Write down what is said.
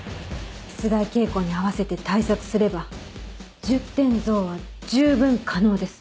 出題傾向に合わせて対策すれば１０点増は十分可能です。